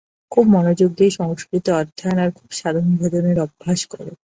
খুব মনোযোগ দিয়ে সংস্কৃত অধ্যয়ন আর খুব সাধনভজনের অভ্যাস কর।